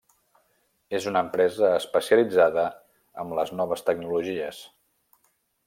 És una empresa especialitzada amb les noves tecnologies.